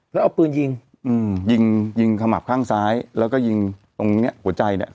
แล้วเอาปืนยิงอืมยิงยิงขมับข้างซ้ายแล้วก็ยิงตรงเนี้ยหัวใจเนี้ย